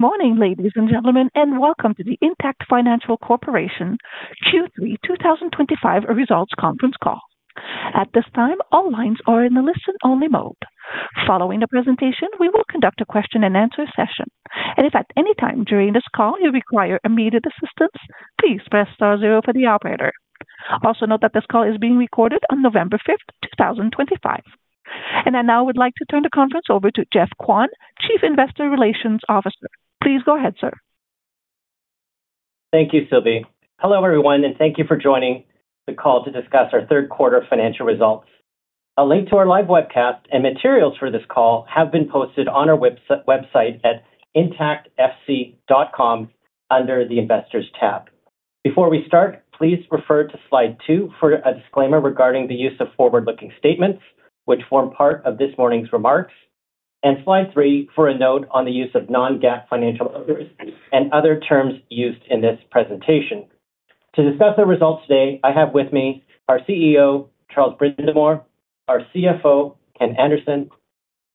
Morning, ladies and gentlemen, and welcome to the Intact Financial Corporation Q3 2025 results conference call. At this time, all lines are in the listen-only mode. Following the presentation, we will conduct a question-and-answer session, and if at any time during this call you require immediate assistance, please press star zero for the operator. Also note that this call is being recorded on November 5th, 2025. I now would like to turn the conference over to Geoff Kwan, Chief Investor Relations Officer. Please go ahead, sir. Thank you, Sylvie. Hello, everyone, and thank you for joining the call to discuss our third quarter financial results. A link to our live webcast and materials for this call have been posted on our website at intactfc.com under the Investors tab. Before we start, please refer to slide two for a disclaimer regarding the use of forward-looking statements, which form part of this morning's remarks, and slide three for a note on the use of non-GAAP financial matters and other terms used in this presentation. To discuss the results today, I have with me our CEO, Charles Brindamour, our CFO, Ken Anderson,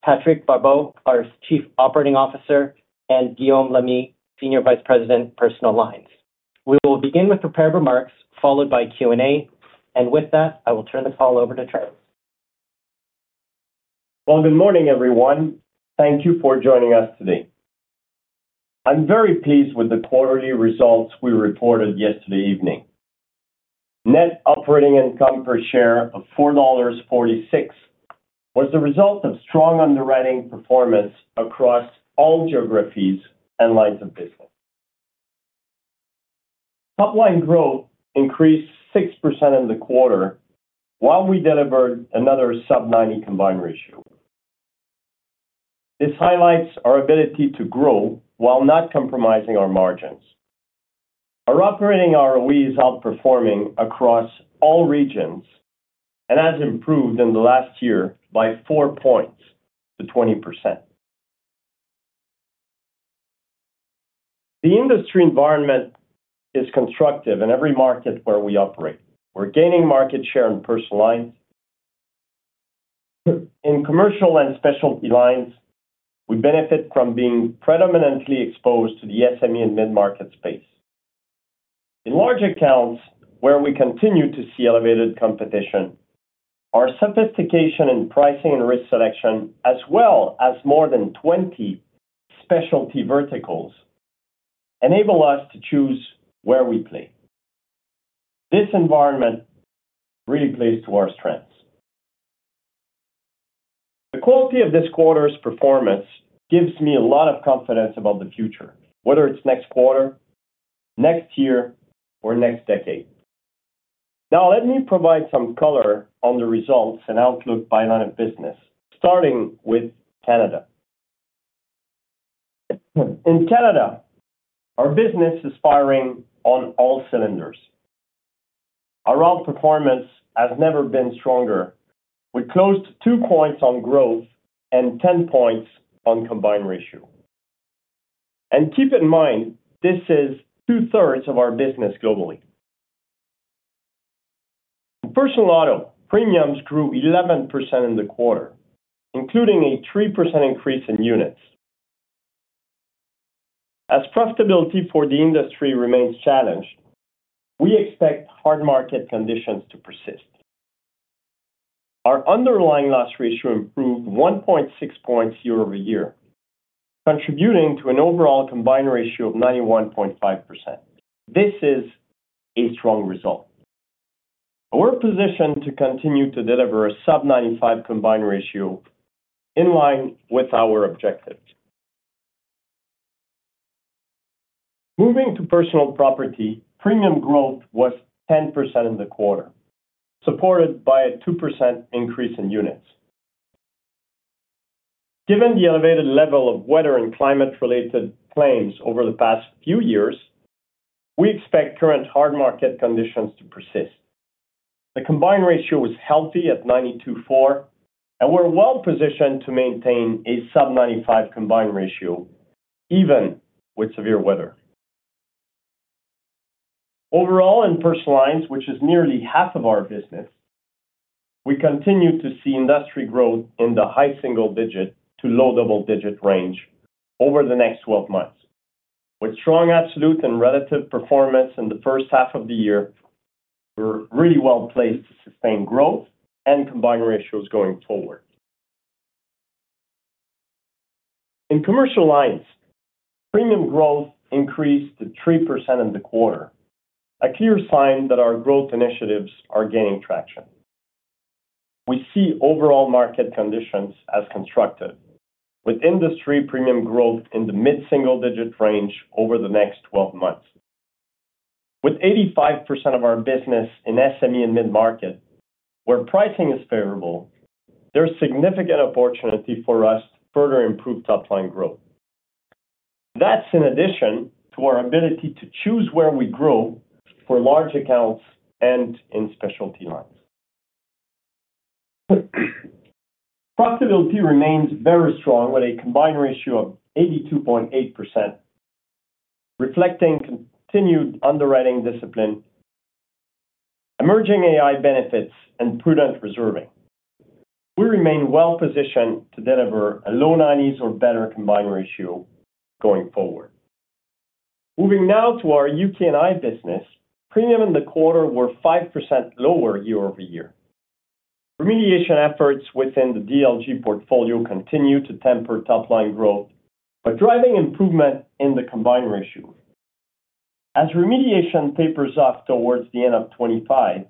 Patrick Barbeau, our Chief Operating Officer, and Guillaume Lamy, Senior Vice President, Personal Lines. We will begin with prepared remarks followed by Q&A, and with that, I will turn the call over to Charles. Good morning, everyone. Thank you for joining us today. I'm very pleased with the quarterly results we reported yesterday evening. Net operating income per share of $4.46 was the result of strong underwriting performance across all geographies and lines of business. Top-line growth increased 6% in the quarter while we delivered another sub-90 combined ratio. This highlights our ability to grow while not compromising our margins. Our operating ROE is outperforming across all regions and has improved in the last year by four points to 20%. The industry environment is constructive in every market where we operate. We're gaining market share in personal lines. In Commercial Specialty lines, we benefit from being predominantly exposed to the SME and mid-market space. In large accounts where we continue to see elevated competition, our sophistication in pricing and risk selection, as well as more than 20 specialty verticals. Enable us to choose where we play. This environment really plays to our strengths. The quality of this quarter's performance gives me a lot of confidence about the future, whether it's next quarter, next year, or next decade. Now, let me provide some color on the results and outlook by line of business, starting with Canada. In Canada, our business is firing on all cylinders. Our outperformance has never been stronger. We closed 2 points on growth and 10 points on combined ratio. Keep in mind, this is 2/3 of our business globally. In Personal Auto, premiums grew 11% in the quarter, including a 3% increase in units. As profitability for the industry remains challenged, we expect hard market conditions to persist. Our underlying loss ratio improved 1.6 points year-over-year, contributing to an overall combined ratio of 91.5%. This is a strong result. We're positioned to continue to deliver a sub-95 combined ratio, in line with our objectives. Moving to personal property, premium growth was 10% in the quarter, supported by a 2% increase in units. Given the elevated level of weather and climate-related claims over the past few years, we expect current hard market conditions to persist. The combined ratio is healthy at 92.4%, and we're well positioned to maintain a sub-95 combined ratio even with severe weather. Overall, in Personal lines, which is nearly half of our business, we continue to see industry growth in the high single-digit to low double-digit range over the next 12 months. With strong absolute and relative performance in the first half of the year, we're really well placed to sustain growth and combined ratios going forward. In commercial lines, premium growth increased to 3% in the quarter, a clear sign that our growth initiatives are gaining traction. We see overall market conditions as constructive, with industry premium growth in the mid-single-digit range over the next 12 months. With 85% of our business in SME and mid-market, where pricing is favorable, there's significant opportunity for us to further improve top-line growth. That's in addition to our ability to choose where we grow for large accounts and Specialty lines. profitability remains very strong with a combined ratio of 82.8%, reflecting continued underwriting discipline, emerging AI benefits, and prudent reserving. We remain well positioned to deliver a low 90s or better combined ratio going forward. Moving now to our U.K. and I business, premium in the quarter were 5% lower year-over-year. Remediation efforts within the DLG portfolio continue to temper top-line growth, but driving improvement in the combined ratio. As remediation tapers off towards the end of 2025,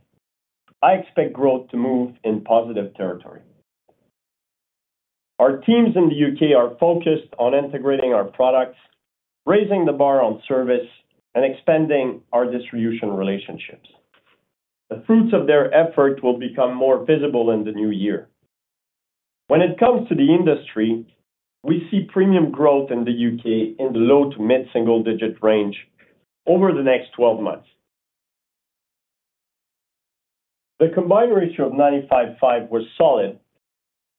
I expect growth to move in positive territory. Our teams in the U.K. are focused on integrating our products, raising the bar on service, and expanding our distribution relationships. The fruits of their effort will become more visible in the new year. When it comes to the industry, we see premium growth in the U.K. in the low to mid-single-digit range over the next 12 months. The combined ratio of 95.5% was solid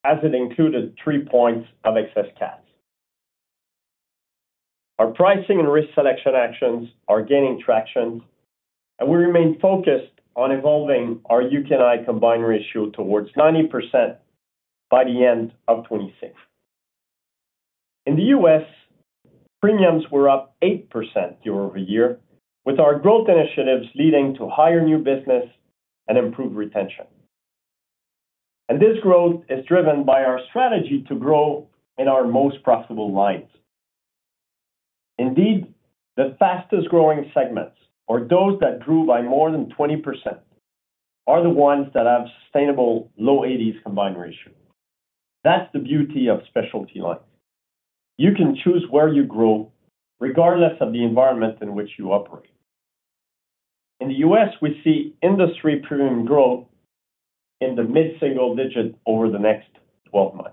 as it included three points of excess cash. Our pricing and risk selection actions are gaining traction, and we remain focused on evolving our U.K. and I combined ratio towards 90% by the end of 2026. In the U.S. Premiums were up 8% year-over-year, with our growth initiatives leading to higher new business and improved retention. This growth is driven by our strategy to grow in our most profitable lines. Indeed, the fastest-growing segments, or those that grew by more than 20%, are the ones that have sustainable low 80s combined ratio. That is the beauty Specialty lines. you can choose where you grow regardless of the environment in which you operate. In the U.S., we see industry premium growth in the mid-single digit over the next 12 months.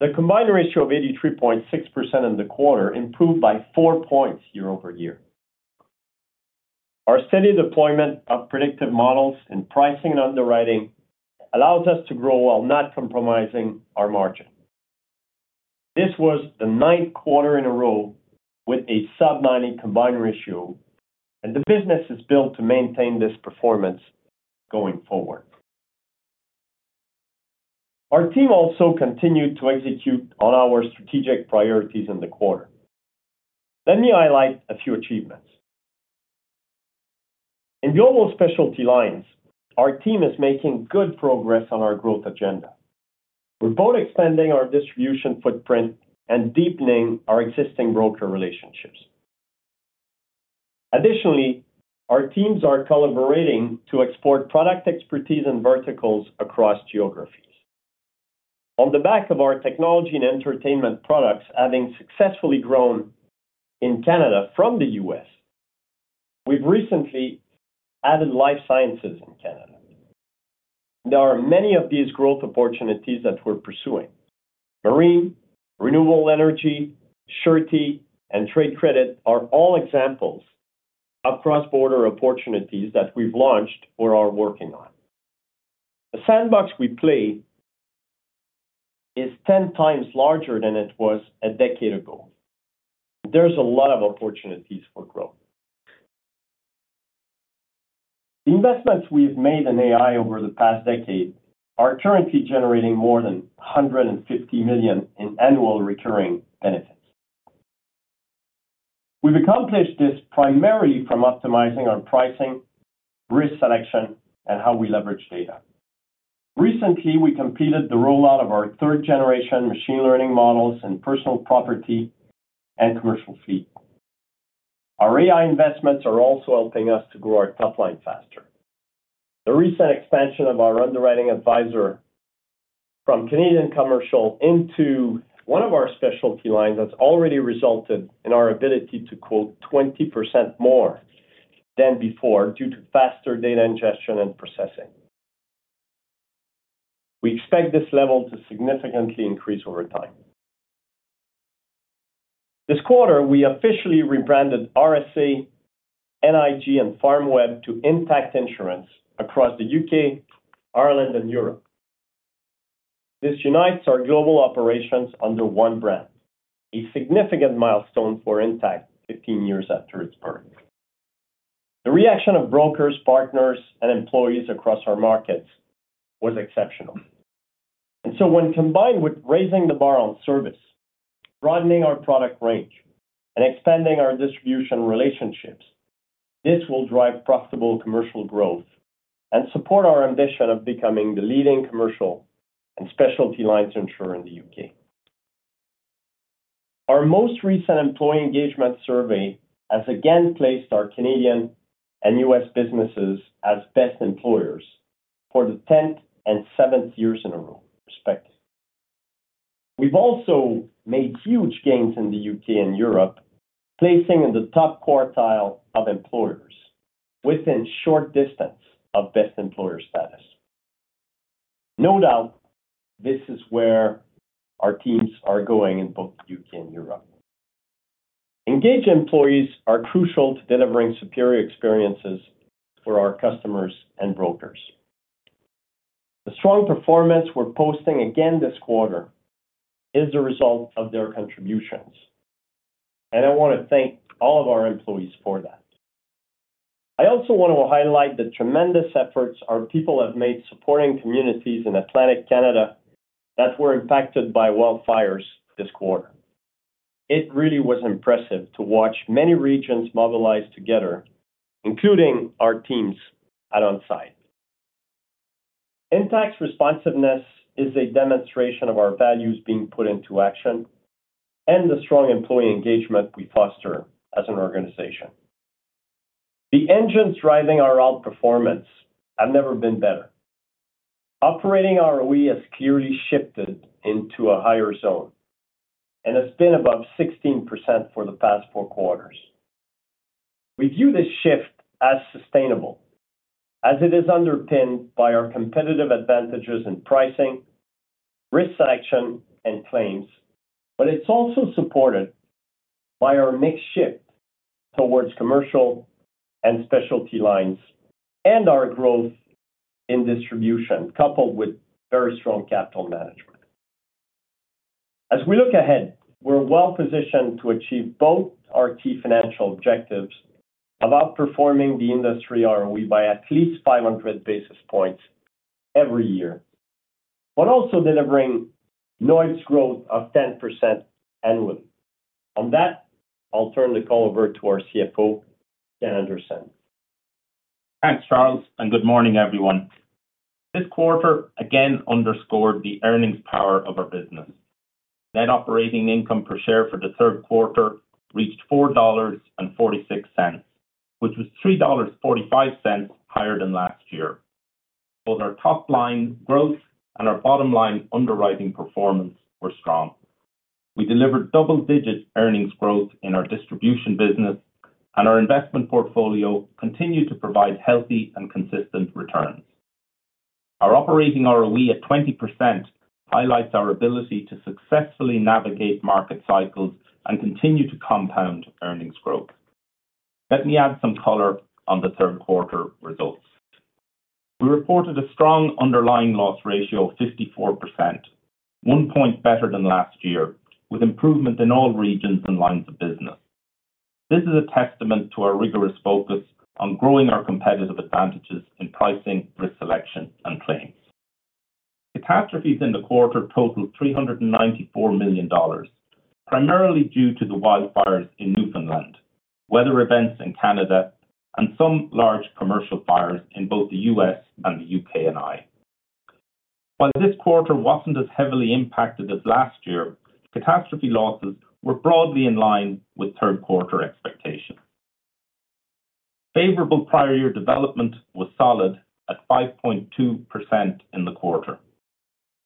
The combined ratio of 83.6% in the quarter improved by four points year-over-year. Our steady deployment of predictive models in pricing and underwriting allows us to grow while not compromising our margin. This was the ninth quarter in a row with a sub-90 combined ratio, and the business is built to maintain this performance going forward. Our team also continued to execute on our strategic priorities in the quarter. Let me highlight a few achievements. In Specialty lines, our team is making good progress on our growth agenda. We're both expanding our distribution footprint and deepening our existing broker relationships. Additionally, our teams are collaborating to export product expertise and verticals across geographies. On the back of our technology and entertainment products having successfully grown in Canada from the U.S., we've recently added life sciences in Canada. There are many of these growth opportunities that we're pursuing. Marine, renewable energy, surety, and trade credit are all examples of cross-border opportunities that we've launched or are working on. The sandbox we play in is 10x larger than it was a decade ago. There's a lot of opportunities for growth. The investments we've made in AI over the past decade are currently generating more than $150 million in annual recurring benefits. We've accomplished this primarily from optimizing our pricing, risk selection, and how we leverage data. Recently, we completed the rollout of our third-generation machine learning models in personal property and commercial fleet. Our AI investments are also helping us to grow our top line faster. The recent expansion of our underwriting advisor from Canadian commercial into one of Specialty lines has already resulted in our ability to quote 20% more than before due to faster data ingestion and processing. We expect this level to significantly increase over time. This quarter, we officially rebranded RSA, NIG, and FarmWeb to Intact Insurance across the U.K., Ireland, and Europe. This unites our global operations under one brand, a significant milestone for Intact 15 years after its birth. The reaction of brokers, partners, and employees across our markets was exceptional. When combined with raising the bar on service, broadening our product range, and expanding our distribution relationships, this will drive profitable commercial growth and support our ambition of becoming the leading commercial Specialty lines insurer in the U.K. Our most recent employee engagement survey has again placed our Canadian and U.S. businesses as best employers for the 10th and 7th years in a row respectively. We have also made huge gains in the U.K. and Europe, placing in the top quartile of employers within short distance of best employer status. No doubt, this is where our teams are going in both the U.K. and Europe. Engaged employees are crucial to delivering superior experiences for our customers and brokers. The strong performance we're posting again this quarter is the result of their contributions. I want to thank all of our employees for that. I also want to highlight the tremendous efforts our people have made supporting communities in Atlantic Canada that were impacted by wildfires this quarter. It really was impressive to watch many regions mobilize together, including our teams out on site. Intact Responsiveness is a demonstration of our values being put into action and the strong employee engagement we foster as an organization. The engines driving our outperformance have never been better. Operating ROE has clearly shifted into a higher zone, and it's been above 16% for the past four quarters. We view this shift as sustainable, as it is underpinned by our competitive advantages in pricing. Risk selection, and claims, but it is also supported by our mix shift towards commercial Specialty lines and our growth in distribution, coupled with very strong capital management. As we look ahead, we are well positioned to achieve both our key financial objectives of outperforming the industry ROE by at least 500 basis points every year, but also delivering NOI growth of 10% annually. On that, I will turn the call over to our CFO, Ken Anderson. Thanks, Charles, and good morning, everyone. This quarter again underscored the earnings power of our business. Net operating income per share for the third quarter reached $4.46, which was $3.45 higher than last year. Both our top-line growth and our bottom-line underwriting performance were strong. We delivered double-digit earnings growth in our distribution business, and our investment portfolio continued to provide healthy and consistent returns. Our operating ROE at 20% highlights our ability to successfully navigate market cycles and continue to compound earnings growth. Let me add some color on the third quarter results. We reported a strong underlying loss ratio of 54%. One point better than last year, with improvement in all regions and lines of business. This is a testament to our rigorous focus on growing our competitive advantages in pricing, risk selection, and claims. Catastrophes in the quarter totaled $394 million, primarily due to the wildfires in Newfoundland, weather events in Canada, and some large commercial fires in both the U.S. and the U.K. While this quarter was not as heavily impacted as last year, catastrophe losses were broadly in line with third quarter expectations. Favorable prior year development was solid at 5.2% in the quarter.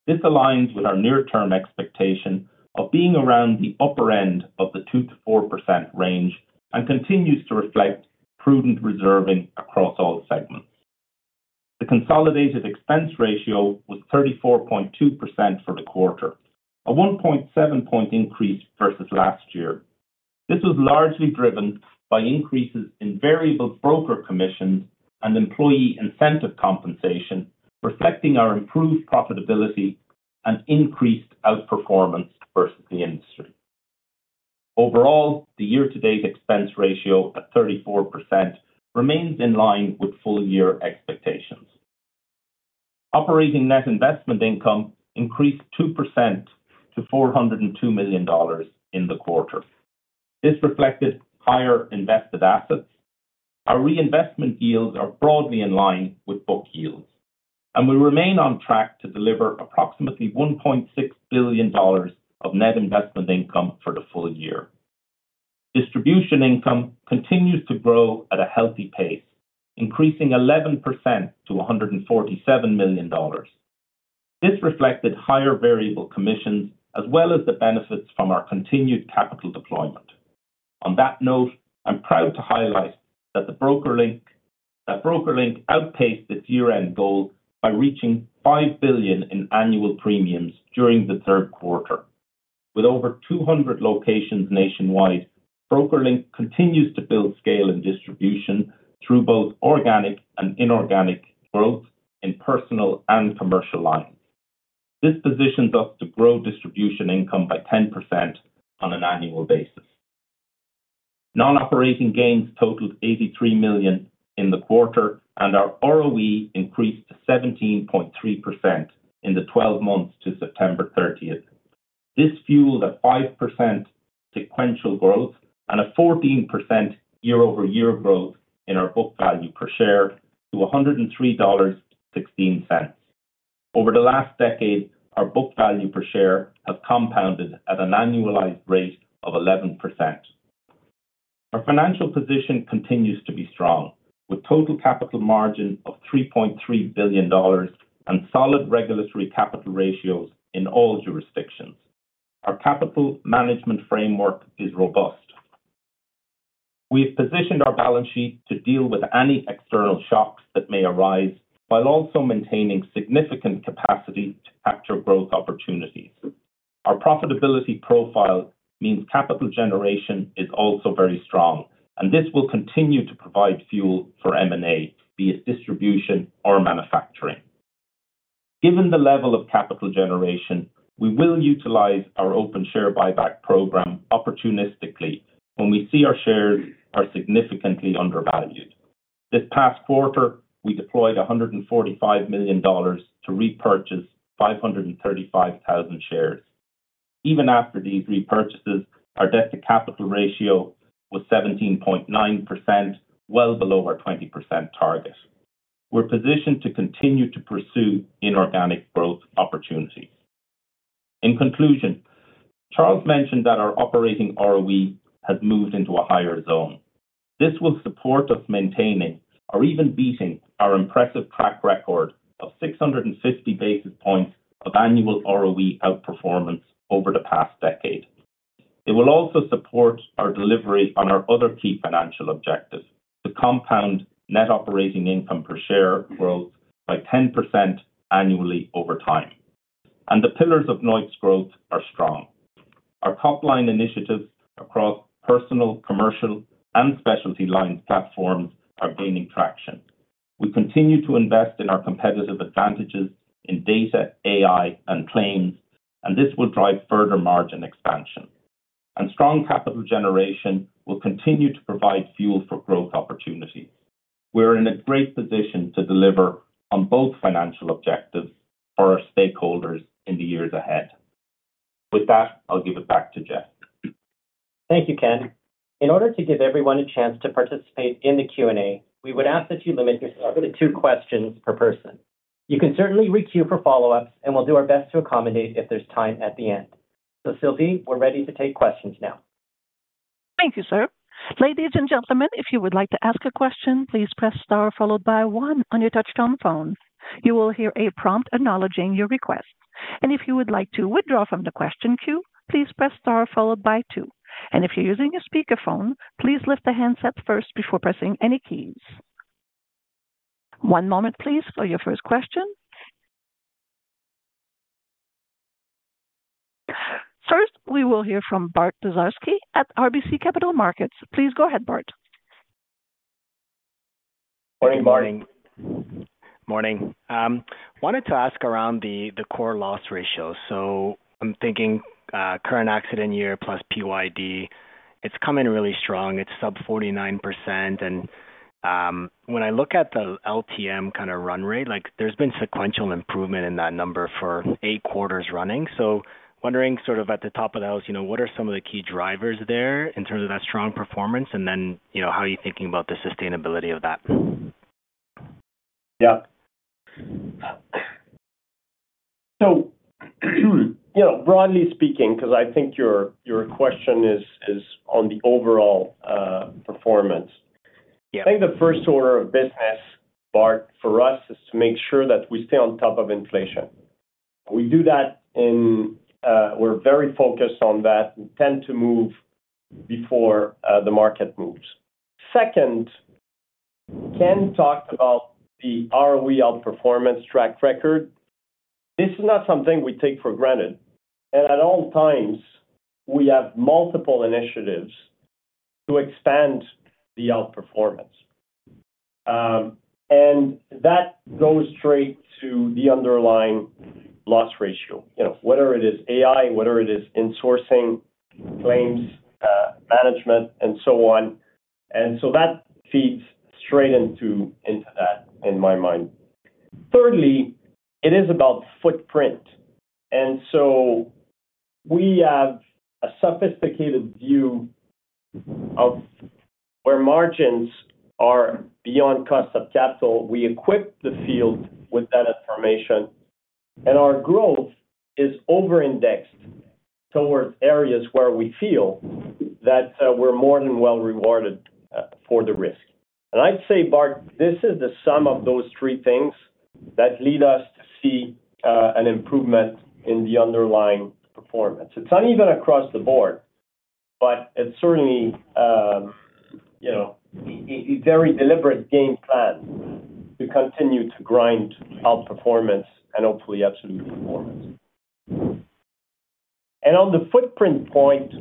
This aligns with our near-term expectation of being around the upper end of the 2%-4% range and continues to reflect prudent reserving across all segments. The consolidated expense ratio was 34.2% for the quarter, a 1.7 percentage point increase versus last year. This was largely driven by increases in variable broker commissions and employee incentive compensation, reflecting our improved profitability and increased outperformance versus the industry. Overall, the year-to-date expense ratio at 34% remains in line with full-year expectations. Operating net investment income increased 2% to $402 million in the quarter. This reflected higher invested assets. Our reinvestment yields are broadly in line with book yields, and we remain on track to deliver approximately $1.6 billion of net investment income for the full year. Distribution income continues to grow at a healthy pace, increasing 11% to $147 million. This reflected higher variable commissions as well as the benefits from our continued capital deployment. On that note, I'm proud to highlight that BrokerLink outpaced its year-end goal by reaching $5 billion in annual premiums during the third quarter. With over 200 locations nationwide, BrokerLink continues to build scale in distribution through both organic and inorganic growth in Personal and Commercial lines. This positions us to grow distribution income by 10% on an annual basis. Non-operating gains totaled $83 million in the quarter, and our ROE increased to 17.3% in the 12 months to September 30th. This fueled a 5% sequential growth and a 14% year-over-year growth in our book value per share to $103.16. Over the last decade, our book value per share has compounded at an annualized rate of 11%. Our financial position continues to be strong, with a total capital margin of $3.3 billion and solid regulatory capital ratios in all jurisdictions. Our capital management framework is robust. We have positioned our balance sheet to deal with any external shocks that may arise while also maintaining significant capacity to capture growth opportunities. Our profitability profile means capital generation is also very strong, and this will continue to provide fuel for M&A, be it distribution or manufacturing. Given the level of capital generation, we will utilize our open share buyback program opportunistically when we see our shares are significantly undervalued. This past quarter, we deployed $145 million to repurchase 535,000 shares. Even after these repurchases, our debt-to-capital ratio was 17.9%, well below our 20% target. We're positioned to continue to pursue inorganic growth opportunities. In conclusion, Charles mentioned that our operating ROE has moved into a higher zone. This will support us maintaining or even beating our impressive track record of 650 basis points of annual ROE outperformance over the past decade. It will also support our delivery on our other key financial objectives, to compound net operating income per share growth by 10% annually over time. The pillars of Intact's growth are strong. Our top-line initiatives across Personal, Commercial, Specialty lines platforms are gaining traction. We continue to invest in our competitive advantages in data, AI, and claims, and this will drive further margin expansion. Strong capital generation will continue to provide fuel for growth opportunities. We're in a great position to deliver on both financial objectives for our stakeholders in the years ahead. With that, I'll give it back to Geoff. Thank you, Ken. In order to give everyone a chance to participate in the Q&A, we would ask that you limit yourself to two questions per person. You can certainly re-queue for follow-ups, and we'll do our best to accommodate if there's time at the end. Sylvie, we're ready to take questions now. Thank you, sir. Ladies and gentlemen, if you would like to ask a question, please press star followed by one on your touch-tone phone. You will hear a prompt acknowledging your request. If you would like to withdraw from the question queue, please press star followed by two. If you're using a speakerphone, please lift the handset first before pressing any keys. One moment, please, for your first question. First, we will hear from Bart Dziarski at RBC Capital Markets. Please go ahead, Bart. Morning, Bart. Morning. Wanted to ask around the core loss ratio. I'm thinking current accident year plus PYD. It's coming really strong. It's sub 49%. When I look at the LTM kind of run rate, there's been sequential improvement in that number for eight quarters running. Wondering sort of at the top of the house, what are some of the key drivers there in terms of that strong performance? How are you thinking about the sustainability of that? Yeah. Broadly speaking, because I think your question is on the overall performance. I think the first order of business, Bart, for us, is to make sure that we stay on top of inflation. We do that. We're very focused on that and tend to move before the market moves. Second, Ken talked about the ROE outperformance track record. This is not something we take for granted. At all times, we have multiple initiatives to expand the outperformance. That goes straight to the underlying loss ratio, whether it is AI, whether it is in-sourcing, claims management, and so on. That feeds straight into that in my mind. Thirdly, it is about footprint. We have a sophisticated view of where margins are beyond cost of capital. We equip the field with that information, and our growth is over-indexed towards areas where we feel that we're more than well-rewarded for the risk. I'd say, Bart, this is the sum of those three things that lead us to see an improvement in the underlying performance. It's uneven across the board, but it's certainly a very deliberate game plan to continue to grind outperformance and hopefully absolute performance. On the footprint point,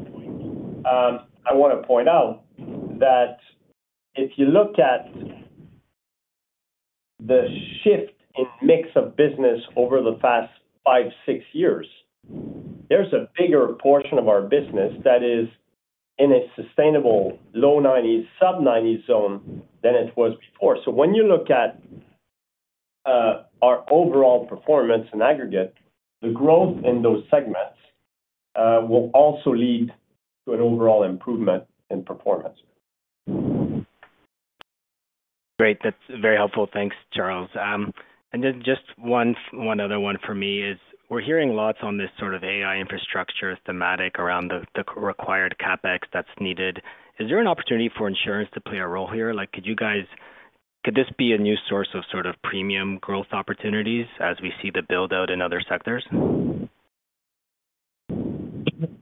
I want to point out that if you look at. The shift in mix of business over the past five, six years, there's a bigger portion of our business that is in a sustainable low 90s, sub 90s zone than it was before. When you look at our overall performance in aggregate, the growth in those segments will also lead to an overall improvement in performance. Great. That's very helpful. Thanks, Charles. Just one other one for me is we're hearing lots on this sort of AI infrastructure thematic around the required CapEx that's needed. Is there an opportunity for insurance to play a role here? Could this be a new source of sort of premium growth opportunities as we see the build-out in other sectors?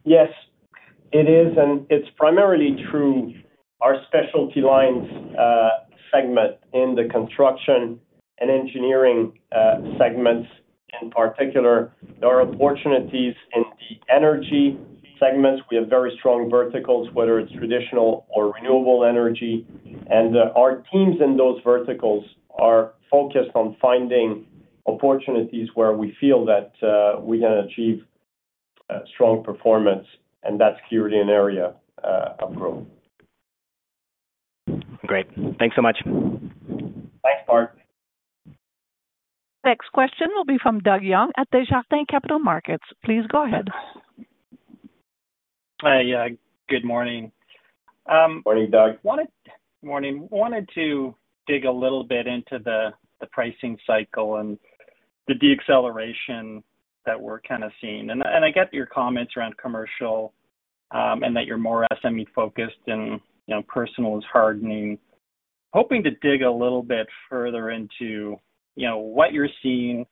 Yes, it is. It's primarily true of Specialty lines segment in the construction and engineering segments. In particular, there are opportunities in the energy segments. We have very strong verticals, whether it's traditional or renewable energy. Our teams in those verticals are focused on finding opportunities where we feel that we can achieve strong performance. That's clearly an area of growth. Great. Thanks so much. Thanks, Bart. Next question will be from Doug Young at Desjardins Capital Markets. Please go ahead. Hi. Good morning. Morning, Doug. Morning. Wanted to dig a little bit into the pricing cycle and the de-acceleration that we're kind of seeing. I get your comments around commercial, and that you're more SME-focused and personal is hardening. Hoping to dig a little bit further into what you're seeing.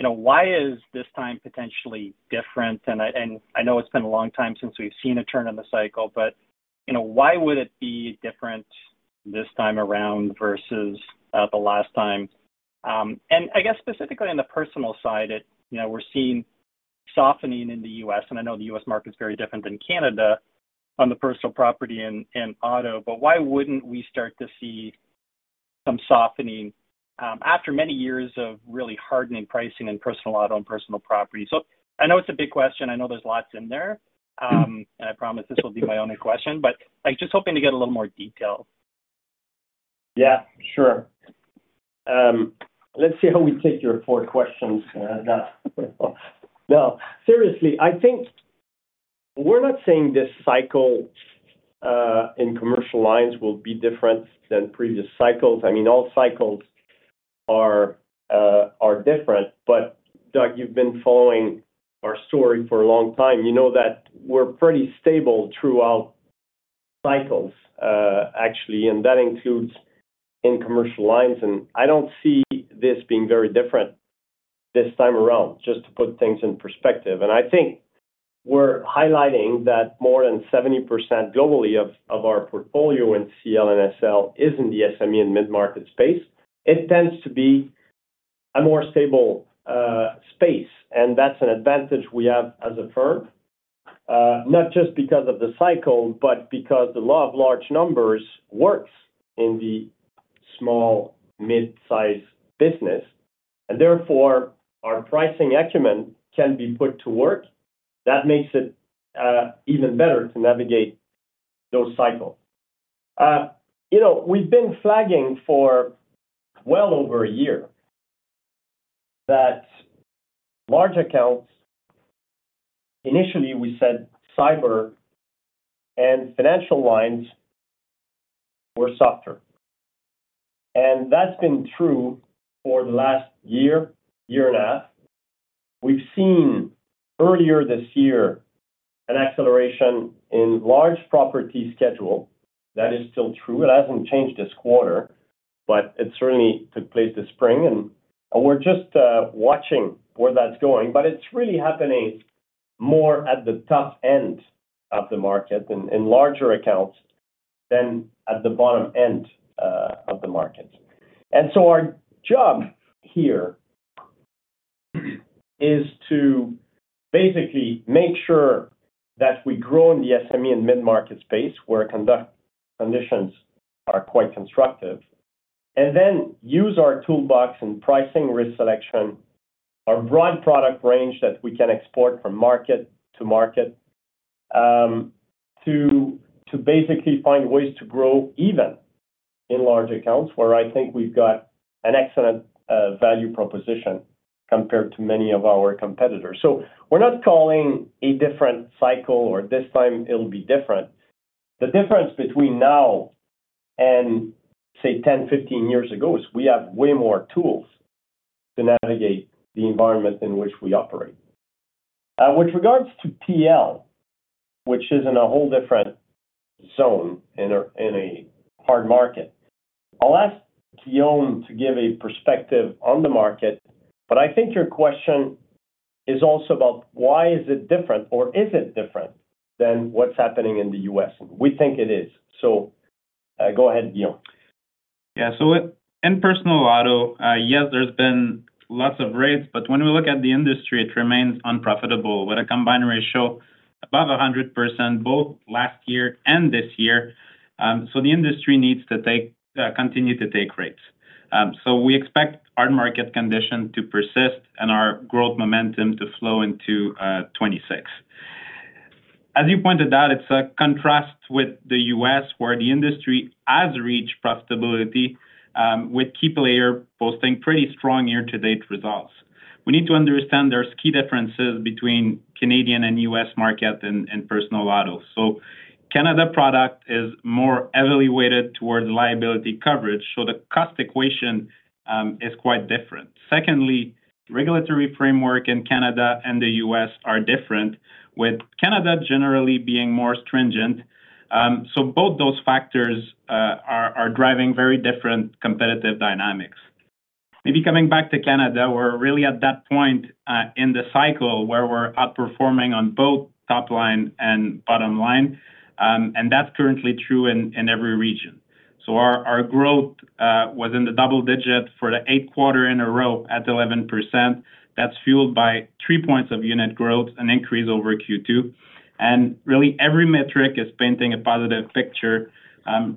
Why is this time potentially different? I know it's been a long time since we've seen a turn in the cycle, but why would it be different this time around versus the last time? I guess specifically on the personal side, we're seeing softening in the U.S. I know the U.S. market is very different than Canada on the personal property and auto. Why wouldn't we start to see some softening after many years of really hardening pricing in Personal Auto and personal property? I know it's a big question. I know there's lots in there. I promise this will be my only question. I'm just hoping to get a little more detail. Yeah, sure. Let's see how we take your four questions. No, seriously, I think we're not saying this cycle in Commercial lines will be different than previous cycles. I mean, all cycles are different. Doug, you've been following our story for a long time. You know that we're pretty stable throughout cycles, actually. That includes in Commercial lines. I do not see this being very different this time around, just to put things in perspective. I think we are highlighting that more than 70% globally of our portfolio in CL and SL is in the SME and mid-market space. It tends to be a more stable space. That is an advantage we have as a firm, not just because of the cycle, but because the law of large numbers works in the small and mid-size business. Therefore, our pricing acumen can be put to work. That makes it even better to navigate those cycles. We have been flagging for well over a year that large accounts, initially, we said cyber and financial lines, were softer. That has been true for the last year, year and a half. We have seen earlier this year an acceleration in large property schedule. That is still true. It hasn't changed this quarter, but it certainly took place this spring. We're just watching where that's going. It's really happening more at the top end of the market and in larger accounts than at the bottom end of the market. Our job here is to basically make sure that we grow in the SME and mid-market space where conditions are quite constructive, and then use our toolbox in pricing, risk selection, our broad product range that we can export from market to market to basically find ways to grow even in large accounts where I think we've got an excellent value proposition compared to many of our competitors. We're not calling a different cycle, or this time it'll be different. The difference between now and, say, 10, 15 years ago is we have way more tools to navigate the environment in which we operate. With regards to PL, which is in a whole different zone in a hard market. I'll ask Guillaume to give a perspective on the market. I think your question is also about why is it different, or is it different than what's happening in the U.S.? We think it is. Go ahead, Guillaume. Yeah. In Personal Auto, yes, there's been lots of rates. When we look at the industry, it remains unprofitable with a combined ratio above 100% both last year and this year. The industry needs to continue to take rates. We expect our market condition to persist and our growth momentum to flow into 2026. As you pointed out, it's a contrast with the US where the industry has reached profitability with Keeplayer posting pretty strong year-to-date results. We need to understand there's key differences between Canadian and U.S. market and Personal Auto. Canada product is more heavily weighted towards liability coverage. The cost equation is quite different. Secondly, regulatory framework in Canada and the U.S. are different, with Canada generally being more stringent. Both those factors are driving very different competitive dynamics. Maybe coming back to Canada, we're really at that point in the cycle where we're outperforming on both top line and bottom line. That's currently true in every region. Our growth was in the double digit for the eighth quarter in a row at 11%. That's fueled by three points of unit growth, an increase over Q2. Every metric is painting a positive picture.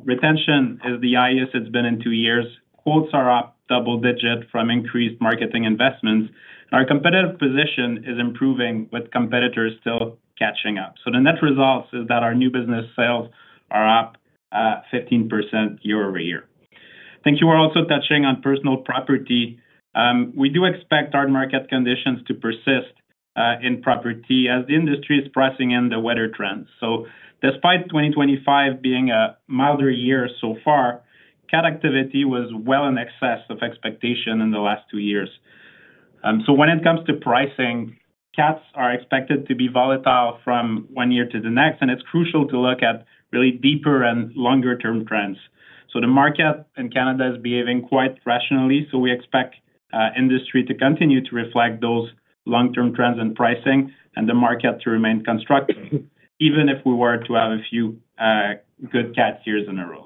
Retention is the highest it's been in two years. Quotes are up double digit from increased marketing investments. Our competitive position is improving with competitors still catching up. So the net result is that our new business sales are up 15% year-over-year. Thank you. We're also touching on personal property. We do expect our market conditions to persist in property as the industry is pricing in the weather trends. Despite 2025 being a milder year so far, cat activity was well in excess of expectation in the last two years. When it comes to pricing, cats are expected to be volatile from one year to the next. It's crucial to look at really deeper and longer-term trends. The market in Canada is behaving quite rationally. We expect industry to continue to reflect those long-term trends in pricing and the market to remain constructive, even if we were to have a few good cats years in a row.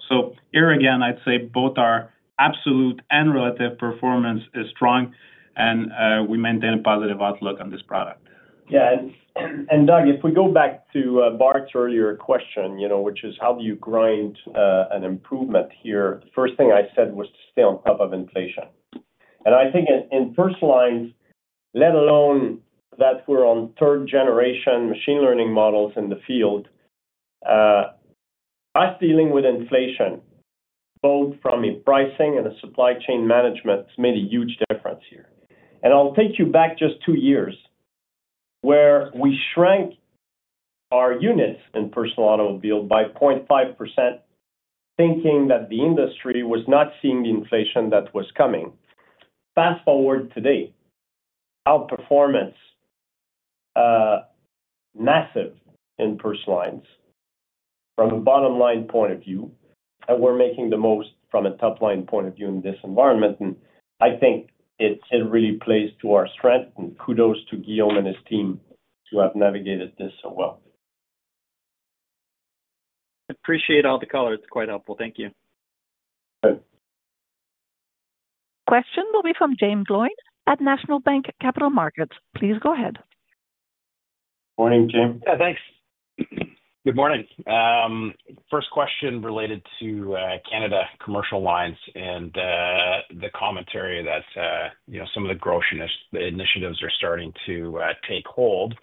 Here again, I'd say both our absolute and relative performance is strong, and we maintain a positive outlook on this product. Yeah. Doug, if we go back to Bart's earlier question, which is how do you grind an improvement here, the first thing I said was to stay on top of inflation. I think in Personal lines, let alone that we're on third-generation machine learning models in the field. Us dealing with inflation, both from a pricing and a supply chain management, it's made a huge difference here. I'll take you back just two years, where we shrank our units in Personal Automobile by 0.5%, thinking that the industry was not seeing the inflation that was coming. Fast forward to today, outperformance, massive in Personal lines from a bottom-line point of view. We're making the most from a top-line point of view in this environment. I think it really plays to our strength. Kudos to Guillaume and his team who have navigated this so well. Appreciate all the color. It's quite helpful. Thank you. Good. Question will be from Jaeme Gloyn at National Bank Capital Markets. Please go ahead. Morning, James. Yeah, thanks. Good morning. First question related to Canada Commercial lines and the commentary that some of the grocery initiatives are starting to take hold.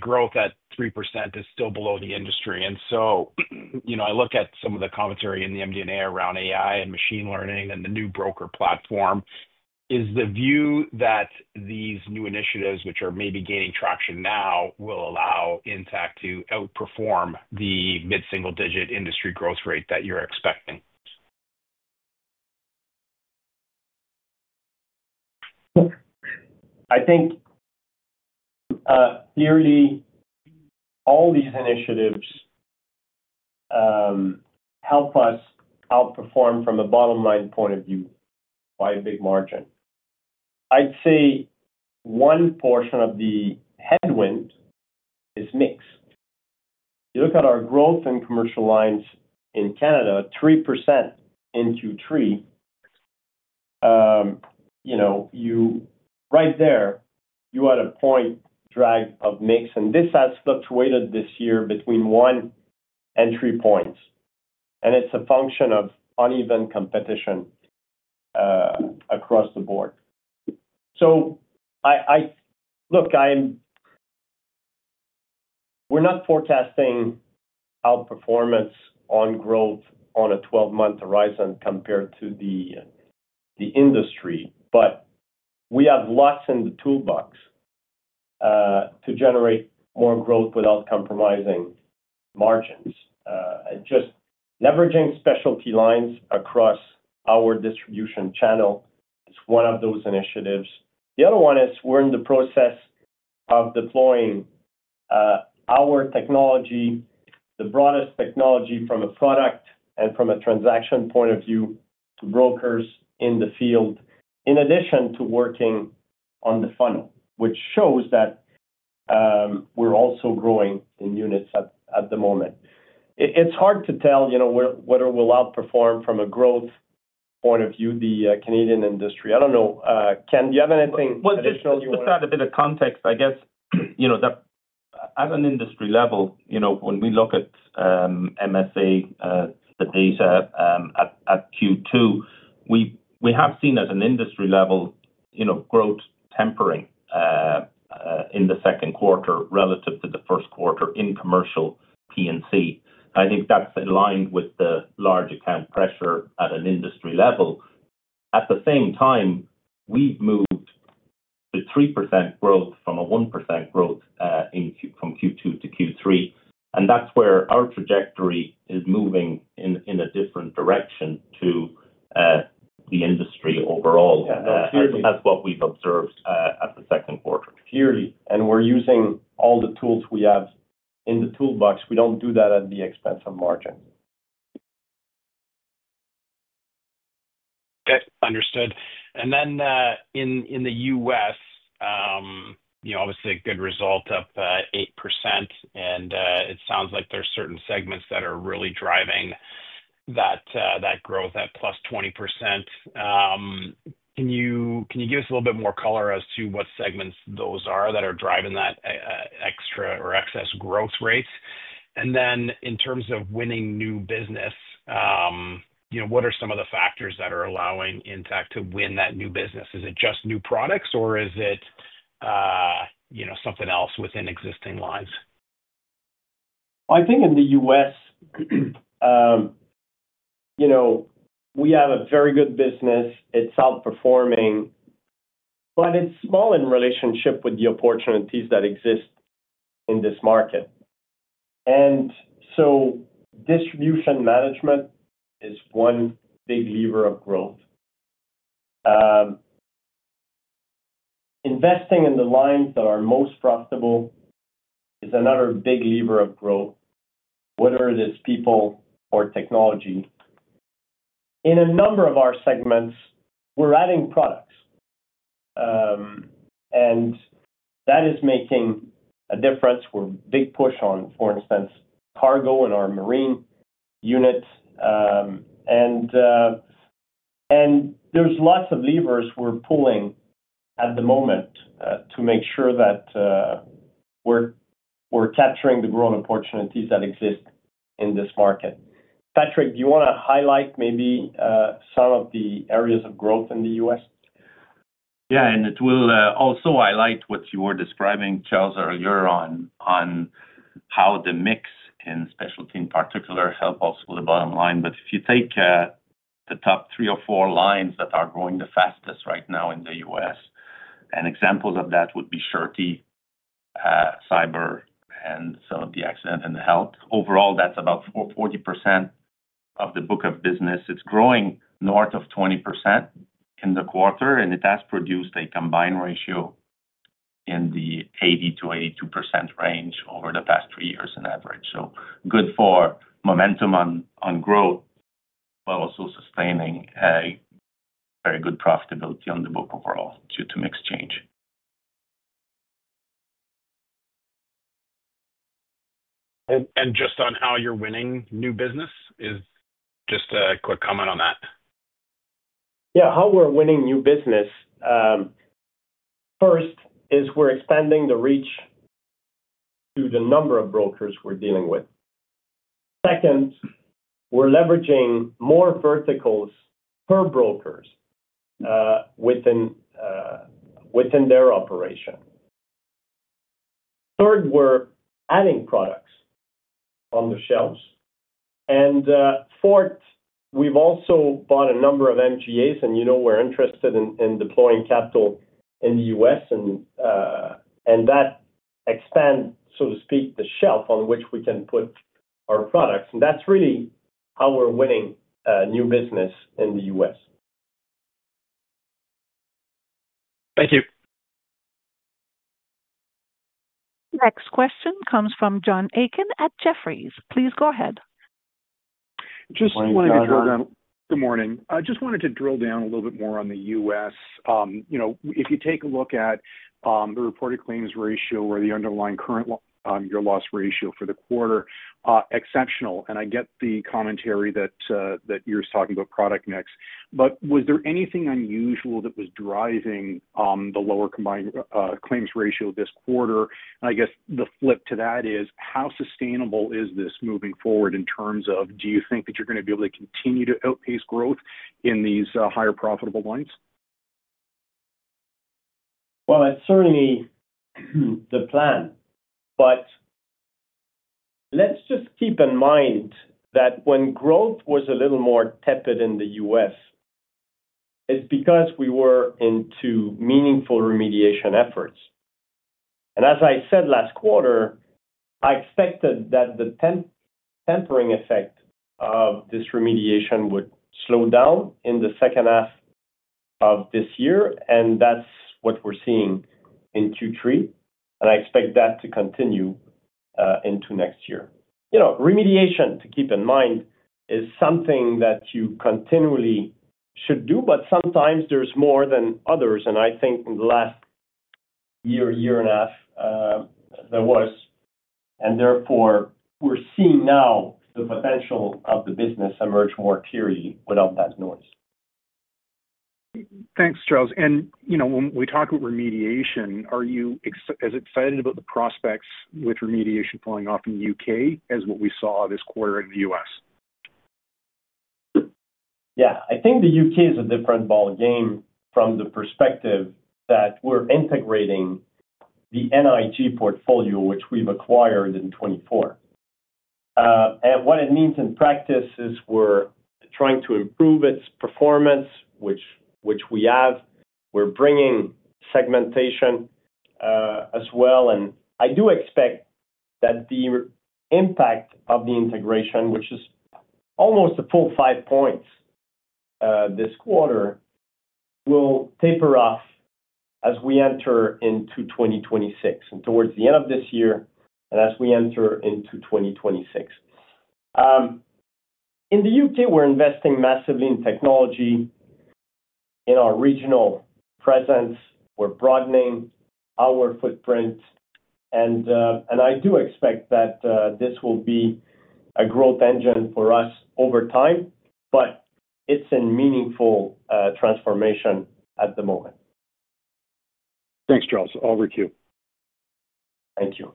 Growth at 3% is still below the industry. I look at some of the commentary in the MD&A around AI and machine learning and the new broker platform. Is the view that these new initiatives, which are maybe gaining traction now, will allow Intact to outperform the mid-single-digit industry growth rate that you're expecting? I think clearly all these initiatives help us outperform from a bottom-line point of view by a big margin. I'd say one portion of the headwind is mixed. You look at our growth in Commercial lines in Canada, 3% in Q3. Right there, you had a point drag of mix. This has fluctuated this year between one and three points, and it's a function of uneven competition across the board. We're not forecasting outperformance on growth on a 12-month horizon compared to the industry, but we have lots in the toolbox to generate more growth without compromising margins. Just Specialty lines across our distribution channel is one of those initiatives. The other one is we're in the process of deploying our technology, the broadest technology from a product and from a transaction point of view, to brokers in the field, in addition to working on the funnel, which shows that we're also growing in units at the moment. It's hard to tell whether we'll outperform from a growth point of view the Canadian industry. I don't know. Ken, do you have anything additional you want to? Just to add a bit of context, I guess. At an industry level, when we look at MSA, the data at Q2, we have seen as an industry level growth tempering in the second quarter relative to the first quarter in commercial P&C. I think that's aligned with the large account pressure at an industry level. At the same time, we've moved to 3% growth from a 1% growth from Q2 to Q3. That's where our trajectory is moving in a different direction to the industry overall. That's what we've observed at the second quarter. Clearly, we're using all the tools we have in the toolbox. We don't do that at the expense of margins. Okay. Understood. And then. In the U.S. Obviously, a good result of 8%. It sounds like there are certain segments that are really driving that growth at +20%. Can you give us a little bit more color as to what segments those are that are driving that extra or excess growth rate? In terms of winning new business, what are some of the factors that are allowing Intact to win that new business? Is it just new products, or is it something else within existing lines? I think in the U.S. we have a very good business. It's outperforming, but it's small in relationship with the opportunities that exist in this market. Distribution management is one big lever of growth. Investing in the lines that are most profitable is another big lever of growth, whether it is people or technology. In a number of our segments, we're adding products. That is making a difference. We're big push on, for instance, cargo in our marine unit. There's lots of levers we're pulling at the moment to make sure that we're capturing the growth opportunities that exist in this market. Patrick, do you want to highlight maybe some of the areas of growth in the U.S.? Yeah. It will also highlight what you were describing, Charles, earlier, on how the mix in specialty in particular helps with the bottom line. If you take the top three or four lines that are growing the fastest right now in the U.S., examples of that would be Surety, Cyber, and some of the Accident and Health. Overall, that's about 40% of the book of business. It's growing north of 20% in the quarter. It has produced a combined ratio. In the 80%-82% range over the past three years on average. Good for momentum on growth while also sustaining very good profitability on the book overall due to mix change. Just on how you're winning new business, just a quick comment on that. Yeah. How we're winning new business. First, we're expanding the reach to the number of brokers we're dealing with. Second, we're leveraging more verticals per broker within their operation. Third, we're adding products on the shelves. Fourth, we've also bought a number of MGAs. We're interested in deploying capital in the U.S. That expands, so to speak, the shelf on which we can put our products. That's really how we're winning new business in the U.S. Thank you. Next question comes from John Aiken at Jefferies. Please go ahead. Good morning. I just wanted to drill down a little bit more on the U.S. If you take a look at the reported claims ratio or the underlying current year loss ratio for the quarter, exceptional. And I get the commentary that you're talking about product mix. But was there anything unusual that was driving the lower combined claims ratio this quarter? I guess the flip to that is, how sustainable is this moving forward in terms of, do you think that you're going to be able to continue to outpace growth in these higher profitable lines? It is certainly the plan. But let's just keep in mind that when growth was a little more tepid in the US, it's because we were into meaningful remediation efforts. As I said last quarter, I expected that the tempering effect of this remediation would slow down in the second half of this year. That is what we are seeing in Q3. I expect that to continue into next year. Remediation, to keep in mind, is something that you continually should do, but sometimes there is more than others. I think in the last year, year and a half, there was, and therefore, we are seeing now the potential of the business emerge more clearly without that noise. Thanks, Charles. When we talk about remediation, are you as excited about the prospects with remediation falling off in the U.K. as what we saw this quarter in the U.S.? Yeah. I think the U.K. is a different ball game from the perspective that we are integrating the NIG portfolio, which we have acquired in 2024. What it means in practice is we are trying to improve its performance, which we have. We are bringing segmentation as well. I do expect that the impact of the integration, which is almost a full five points this quarter, will taper off as we enter into 2026 and towards the end of this year and as we enter into 2026. In the U.K., we're investing massively in technology, in our regional presence. We're broadening our footprint. I do expect that this will be a growth engine for us over time, but it's a meaningful transformation at the moment. Thanks, Charles. I'll require you. Thank you.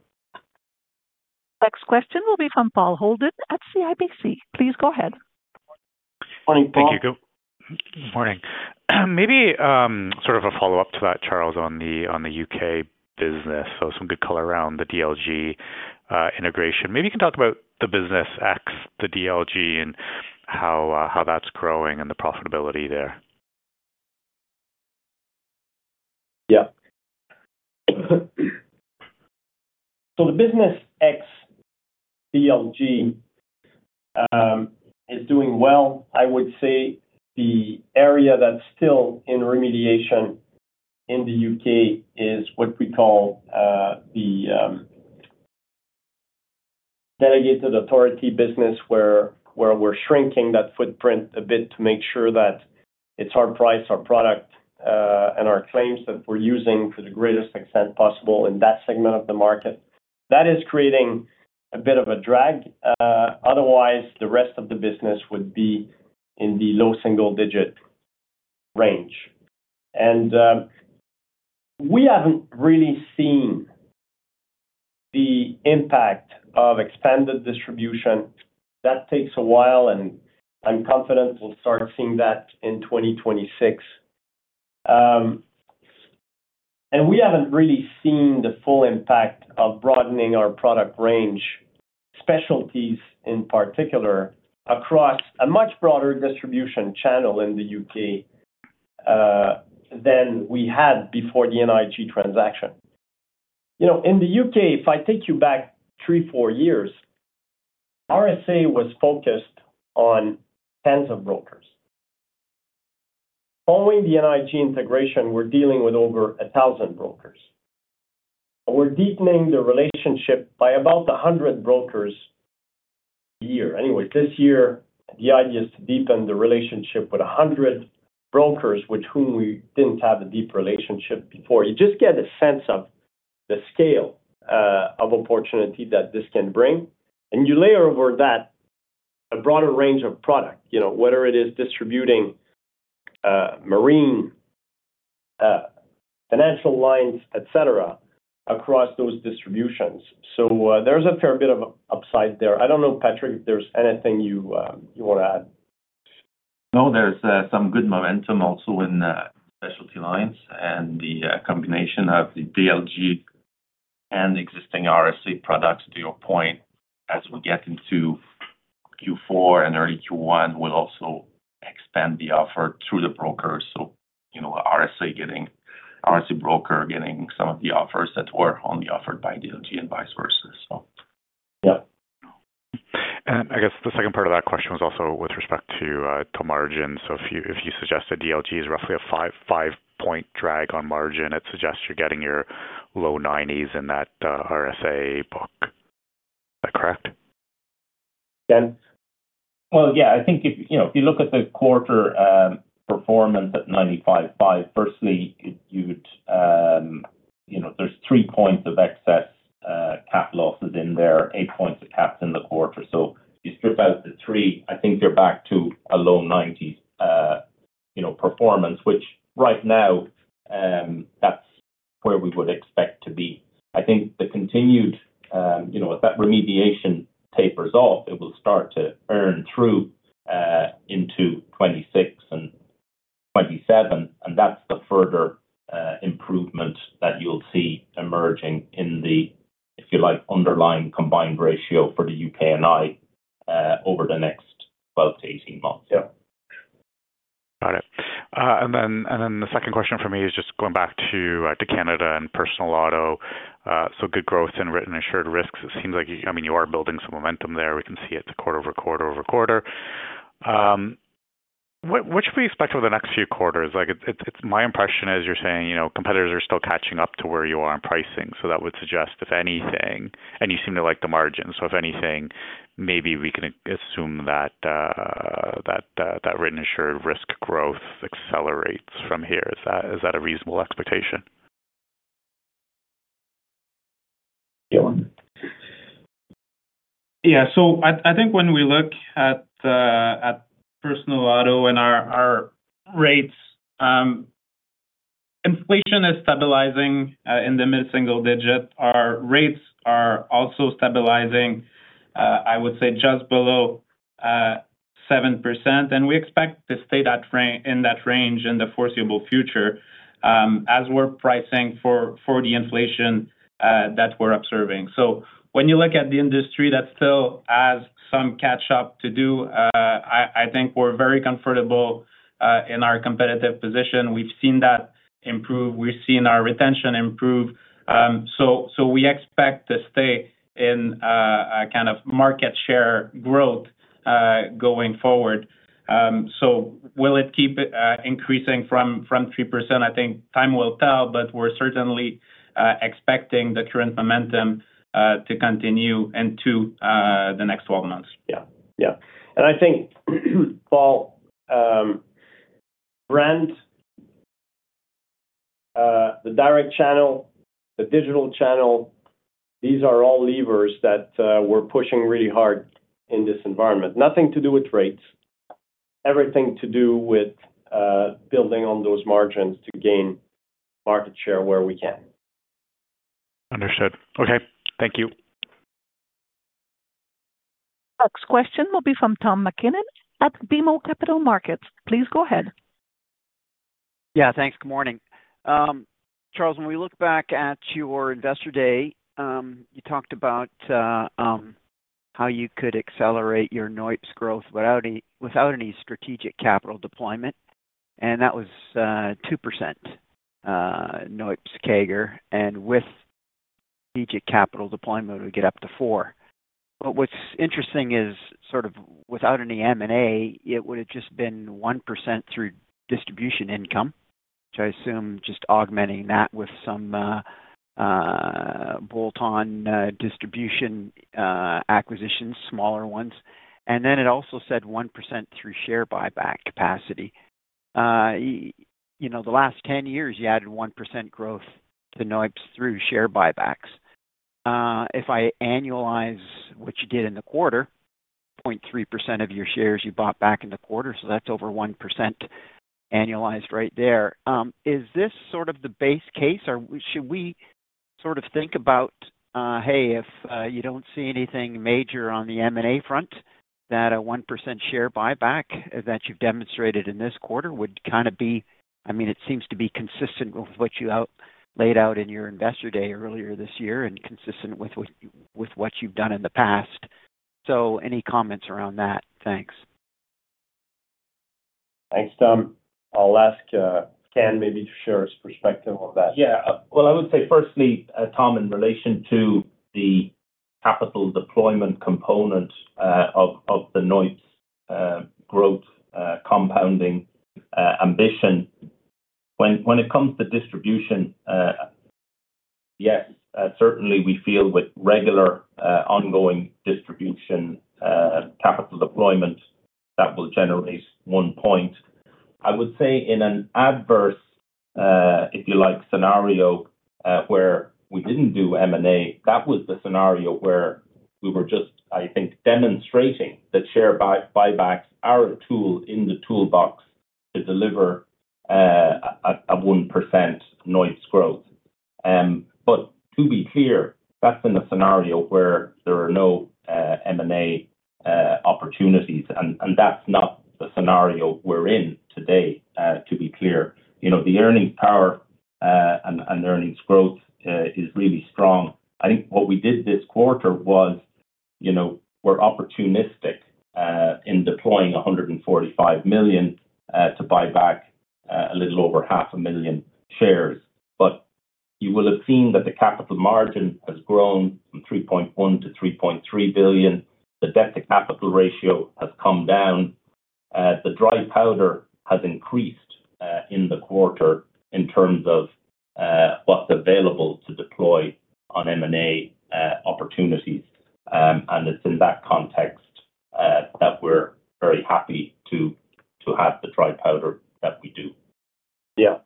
Next question will be from Paul Holden at CIBC. Please go ahead. Good morning, Paul. Thank you. Good morning. Maybe sort of a follow-up to that, Charles, on the U.K. business. Some good color around the DLG integration. Maybe you can talk about the business ex the DLG, and how that's growing and the profitability there. Yeah. The business ex DLG is doing well. I would say the area that's still in remediation in the U.K. is what we call the delegated authority business, where we're shrinking that footprint a bit to make sure that it's our price, our product, and our claims that we're using to the greatest extent possible in that segment of the market. That is creating a bit of a drag. Otherwise, the rest of the business would be in the low single-digit range. We haven't really seen the impact of expanded distribution. That takes a while, and I'm confident we'll start seeing that in 2026. We haven't really seen the full impact of broadening our product range, specialties in particular, across a much broader distribution channel in the U.K. than we had before the NIG transaction. In the U.K., if I take you back three, four years, RSA was focused on tens of brokers. Following the NIG integration, we're dealing with over 1,000 brokers. We're deepening the relationship by about 100 brokers a year. Anyway, this year, the idea is to deepen the relationship with 100 brokers, with whom we didn't have a deep relationship before. You just get a sense of the scale of opportunity that this can bring. You layer over that a broader range of product, whether it is distributing Marine, financial lines, etc., across those distributions. There is a fair bit of upside there. I don't know, Patrick, if there's anything you want to add. No, there's some good momentum also Specialty lines and the combination of the DLG and existing RSA products, to your point, as we get into Q4 and early Q1, we'll also expand the offer through the broker. RSA broker getting some of the offers that were only offered by DLG and vice versa, so. Yeah. I guess the second part of that question was also with respect to margin. If you suggest that DLG is roughly a five-point drag on margin, it suggests you're getting your low 90s in that RSA book. Is that correct? Ken. Yeah. I think if you look at the quarter. Performance at 95.5, firstly, you'd. There's three points of excess cap losses in there, eight points of caps in the quarter. If you strip out the three, I think you're back to a low 90s. Performance, which right now. That's where we would expect to be. I think as the continued remediation tapers off, it will start to earn through into 2026 and 2027. That is the further improvement that you will see emerging in the, if you like, underlying combined ratio for the U.K. and Ireland over the next 12 to 18 months. Got it. The second question for me is just going back to Canada and Personal Auto. Good growth in written and shared risks. It seems like, I mean, you are building some momentum there. We can see it is quarter over quarter over quarter. What should we expect for the next few quarters? My impression is you are saying competitors are still catching up to where you are in pricing. That would suggest, if anything, and you seem to like the margins. If anything, maybe we can assume that written and shared risk growth accelerates from here. Is that a reasonable expectation? Yeah. I think when we look at Personal Auto and our rates. Inflation is stabilizing in the mid-single digit. Our rates are also stabilizing. I would say, just below 7%. We expect to stay in that range in the foreseeable future, as we are pricing for the inflation that we are observing. When you look at the industry, that still has some catch-up to do. I think we are very comfortable in our competitive position. We have seen that improve. We have seen our retention improve. We expect to stay in a kind of market share growth going forward. Will it keep increasing from 3%? I think time will tell, but we are certainly expecting the current momentum to continue into the next 12 months. Yeah. Yeah. I think, Paul, Brent, the direct channel, the digital channel, these are all levers that we are pushing really hard in this environment. Nothing to do with rates. Everything to do with. Building on those margins to gain market share where we can. Understood. Okay. Thank you. Next question will be from Tom MacKinnon at BMO Capital Markets. Please go ahead. Yeah. Thanks. Good morning. Charles, when we look back at your investor day, you talked about how you could accelerate your NOI per share growth without any strategic capital deployment. And that was 2% NOI per share CAGR. With strategic capital deployment, we get up to 4%. What's interesting is sort of without any M&A, it would have just been 1% through distribution income, which I assume just augmenting that with some bolt-on distribution acquisitions, smaller ones. Then it also said 1% through share buyback capacity. The last 10 years, you added 1% growth to NOI per share through share buybacks. If I annualize what you did in the quarter, 0.3% of your shares you bought back in the quarter. That's over 1%. Annualized right there. Is this sort of the base case? Or should we sort of think about, "Hey, if you don't see anything major on the M&A front, that a 1% share buyback that you've demonstrated in this quarter would kind of be" I mean, it seems to be consistent with what you laid out in your investor day earlier this year and consistent with what you've done in the past. So any comments around that? Thanks. Thanks, Tom. I'll ask Ken maybe to share his perspective on that. Yeah. I would say, firstly, Tom, in relation to the capital deployment component of the NOI per share growth compounding ambition, when it comes to distribution, yes, certainly, we feel with regular ongoing distribution capital deployment that will generate one point. I would say in an adverse. If you like, scenario where we did not do M&A, that was the scenario where we were just, I think, demonstrating that share buybacks are a tool in the toolbox to deliver. A 1% NOI per share growth. To be clear, that is in a scenario where there are no M&A opportunities. That is not the scenario we are in today, to be clear. The earnings power and earnings growth is really strong. I think what we did this quarter was, we were opportunistic in deploying $145 million to buy back a little over 500,000 shares. You will have seen that the capital margin has grown from $3.1 billion-$3.3 billion. The debt-to-capital ratio has come down. The dry powder has increased in the quarter in terms of what is available to deploy on M&A opportunities. It is in that context that we are very happy to have the dry powder that we do. Yeah.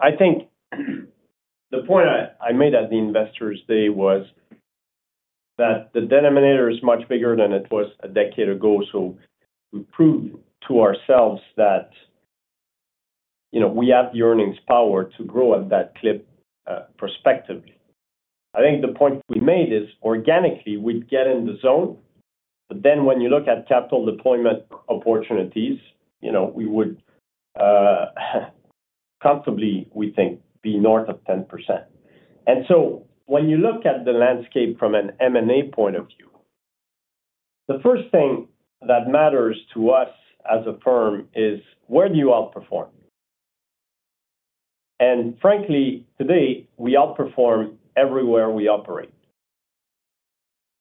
I think the point I made at the investor's day was that the denominator is much bigger than it was a decade ago. We proved to ourselves that we have the earnings power to grow at that clip prospectively. I think the point we made is organically, we'd get in the zone. When you look at capital deployment opportunities, we would comfortably, we think, be north of 10%. When you look at the landscape from an M&A point of view, the first thing that matters to us as a firm is where do you outperform? Frankly, today, we outperform everywhere we operate.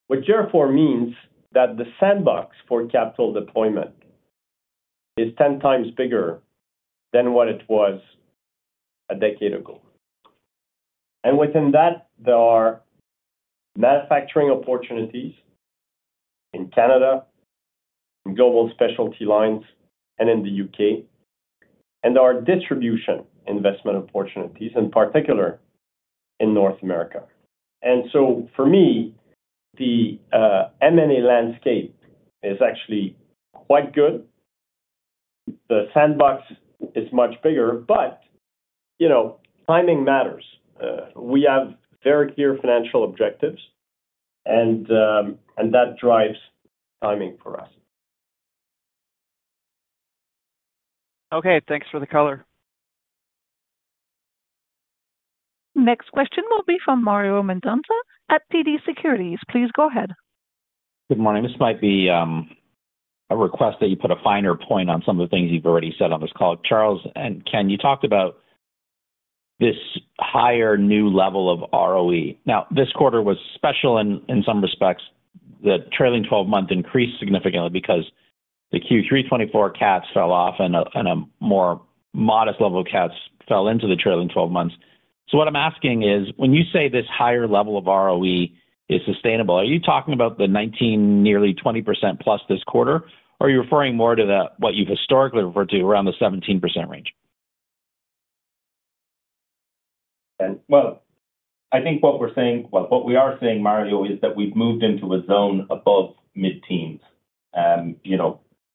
Which therefore means that the sandbox for capital deployment is 10x bigger than what it was a decade ago. Within that, there are manufacturing opportunities in Canada, in Specialty lines, and in the U.K. There are distribution investment opportunities, in particular in North America. For me, the M&A landscape is actually quite good. The sandbox is much bigger. Timing matters. We have very clear financial objectives, and that drives timing for us. Okay. Thanks for the color. Next question will be from Mario Mendonca at TD Securities. Please go ahead. Good morning. This might be a request that you put a finer point on some of the things you've already said on this call. Charles and Ken, you talked about this higher new level of ROE. Now, this quarter was special in some respects. The trailing 12-month increased significantly because the Q3 2024 cats fell off, and a more modest level of cats fell into the trailing 12 months. What I'm asking is, when you say this higher level of ROE is sustainable, are you talking about the 19, nearly 20%+ this quarter, or are you referring more to what you've historically referred to around the 17% range? I think what we are saying, Mario, is that we've moved into a zone above mid-teens.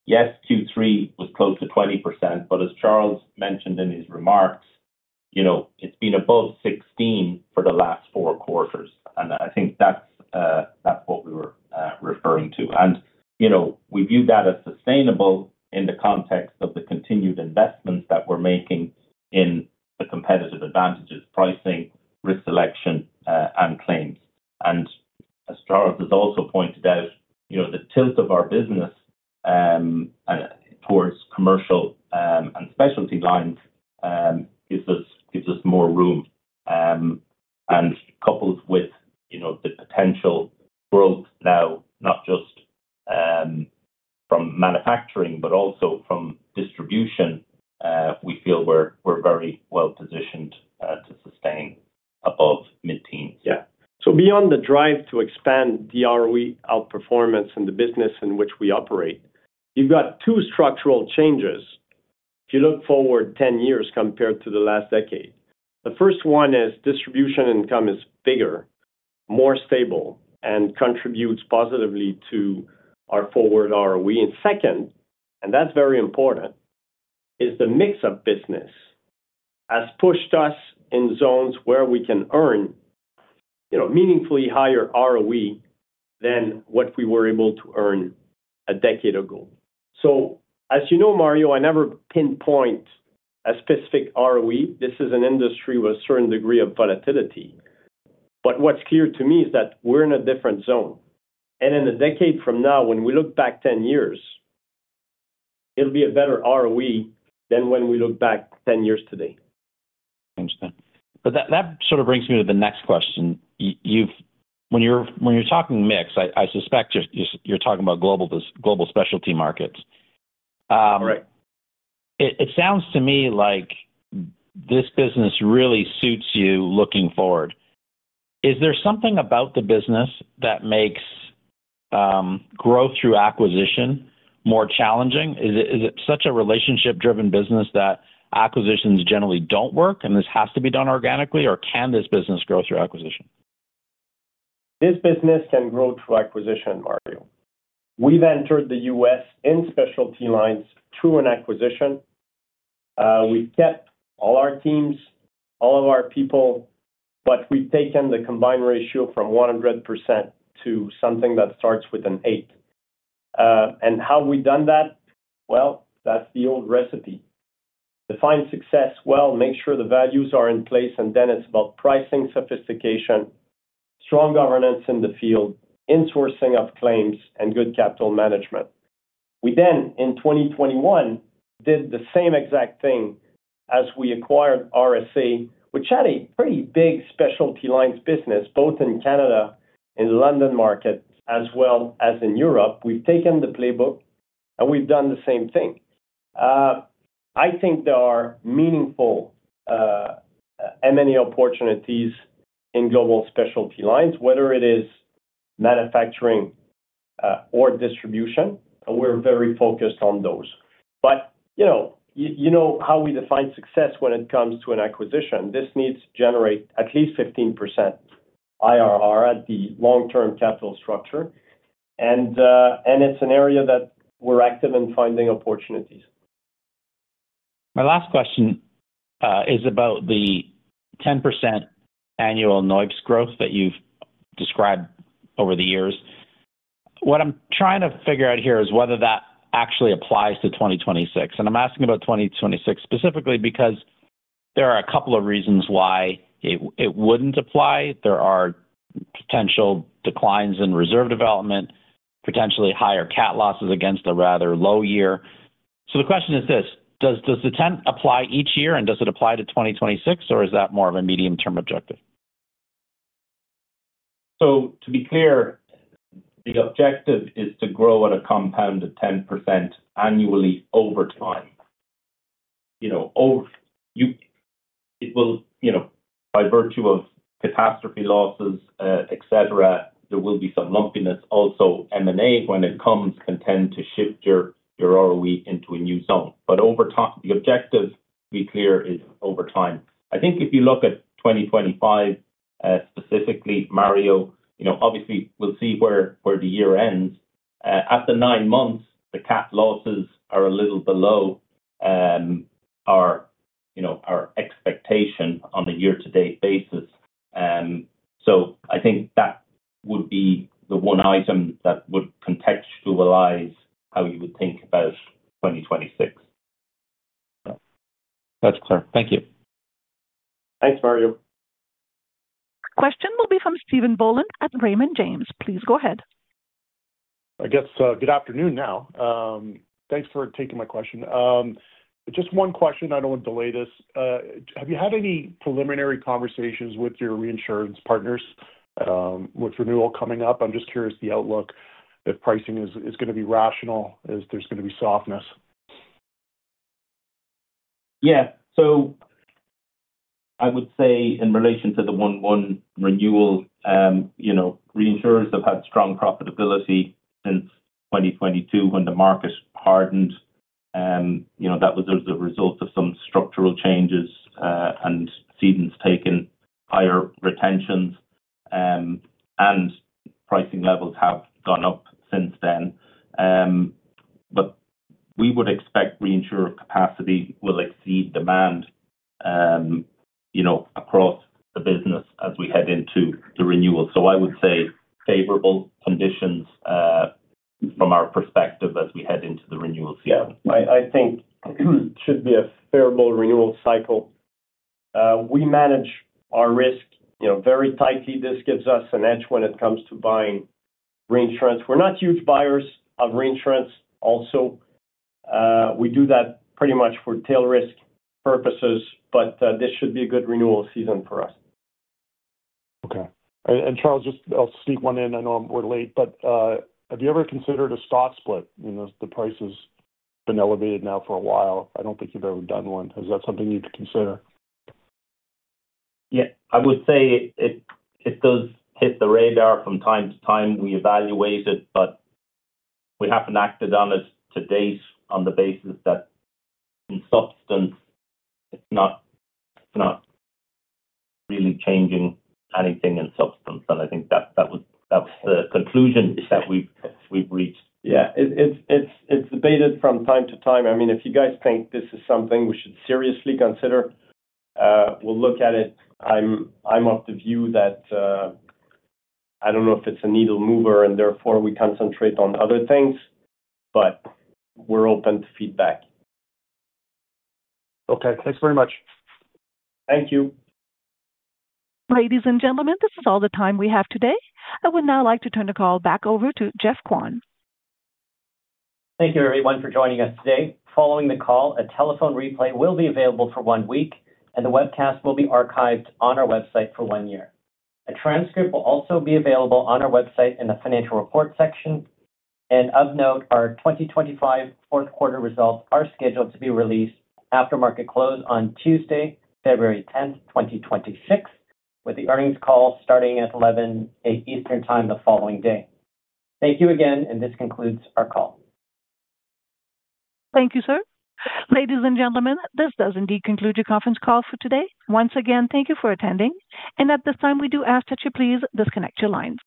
Yes, Q3 was close to 20%, but as Charles mentioned in his remarks, it's been above 16% for the last four quarters. I think that's what we were referring to. We view that as sustainable in the context of the continued investments that we're making in the competitive advantages: pricing, risk selection, and claims. As Charles has also pointed out, the tilt of our business towards commercial Specialty lines gives us more room, and coupled with the potential growth now, not just. From manufacturing but also from distribution, we feel we're very well positioned to sustain above mid-teens. Yeah. Beyond the drive to expand the ROE outperformance in the business in which we operate, you've got two structural changes if you look forward 10 years compared to the last decade. The first one is distribution income is bigger, more stable, and contributes positively to our forward ROE. Second, and that's very important, is the mix of business. Has pushed us in zones where we can earn meaningfully higher ROE than what we were able to earn a decade ago. As you know, Mario, I never pinpoint a specific ROE. This is an industry with a certain degree of volatility. What's clear to me is that we're in a different zone. In a decade from now, when we look back 10 years. It'll be a better ROE than when we look back 10 years today. I understand. That sort of brings me to the next question. When you're talking mix, I suspect you're talking about global specialty markets. Correct. It sounds to me like this business really suits you looking forward. Is there something about the business that makes growth through acquisition more challenging? Is it such a relationship-driven business that acquisitions generally don't work, and this has to be done organically? Or can this business grow through acquisition? This business can grow through acquisition, Mario. We've entered the U.S. Specialty lines through an acquisition. We've kept all our teams, all of our people. We've taken the combined ratio from 100% to something that starts with an 8. How have we done that? That's the old recipe. Define success well, make sure the values are in place, and then it's about pricing sophistication, strong governance in the field, insourcing of claims, and good capital management. We then, in 2021, did the same exact thing as we acquired RSA, which had a pretty Specialty lines business, both in Canada, in the London Market, as well as in Europe. We've taken the playbook, and we've done the same thing. I think there are meaningful M&A opportunities in Specialty lines, whether it is manufacturing or distribution. We're very focused on those. You know how we define success when it comes to an acquisition. This needs to generate at least 15% IRR at the long-term capital structure. It's an area that we're active in finding opportunities. My last question is about the 10% annual NOI per share growth that you've described over the years. What I'm trying to figure out here is whether that actually applies to 2026. I'm asking about 2026 specifically because there are a couple of reasons why it would not apply. There are potential declines in reserve development, potentially higher cat losses against a rather low year. The question is this: does the 10% apply each year, and does it apply to 2026, or is that more of a medium-term objective? To be clear, the objective is to grow at a compounded 10% annually over time. It will, by virtue of catastrophe losses, etc., have some lumpiness. Also, M&A, when it comes, can tend to shift your ROE into a new zone. The objective, to be clear, is over time. I think if you look at 2025 specifically, Mario, obviously, we will see where the year ends. After nine months, the cat losses are a little below our expectation on a year-to-date basis. I think that would be the one item that would contextualize how you would think about 2026. That's clear. Thank you. Thanks, Mario. Next question will be from Stephen Boland at Raymond James. Please go ahead. I guess good afternoon now. Thanks for taking my question. Just one question. I do not want to delay this. Have you had any preliminary conversations with your reinsurance partners with renewal coming up? I am just curious the outlook, if pricing is going to be rational, if there is going to be softness. Yeah. I would say in relation to the 1-1 renewal, reinsurers have had strong profitability since 2022 when the market hardened. That was the result of some structural changes and decisions taken, higher retentions. Pricing levels have gone up since then. We would expect reinsurer capacity will exceed demand across the business as we head into the renewal. I would say favorable conditions from our perspective as we head into the renewal cycle. Yeah, I think it should be a favorable renewal cycle. We manage our risk very tightly. This gives us an edge when it comes to buying reinsurance. We're not huge buyers of reinsurance. Also, we do that pretty much for tail risk purposes. This should be a good renewal season for us. Okay. Charles, just I'll sneak one in. I know I'm late. Have you ever considered a stock split? The price has been elevated now for a while. I don't think you've ever done one. Is that something you could consider? Yeah, I would say it does hit the radar from time to time. We evaluate it, but we haven't acted on it today on the basis that, in substance, it's not really changing anything in substance. I think that was the conclusion that we've reached. Yeah. It's debated from time to time. I mean, if you guys think this is something we should seriously consider, we'll look at it. I'm of the view that I don't know if it's a needle mover, and therefore we concentrate on other things, but we're open to feedback. Okay. Thanks very much. Thank you. Ladies and gentlemen, this is all the time we have today. I would now like to turn the call back over to Geoff Kwan. Thank you, everyone, for joining us today. Following the call, a telephone replay will be available for one week, and the webcast will be archived on our website for one year. A transcript will also be available on our website in the financial report section. Of note, our 2025 fourth-quarter results are scheduled to be released after market close on Tuesday, February 10, 2026, with the earnings call starting at 11:00 A.M. Eastern Time the following day. Thank you again, and this concludes our call. Thank you, sir. Ladies and gentlemen, this does indeed conclude your conference call for today. Once again, thank you for attending. At this time, we do ask that you please disconnect your lines.